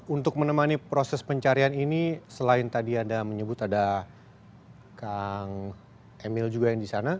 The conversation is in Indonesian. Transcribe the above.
untuk menemani proses pencarian ini selain tadi anda menyebut ada kang emil juga yang di sana